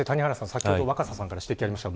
先ほど若狭さんから指摘がありました。